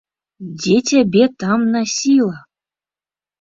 Дзе цябе там насіла?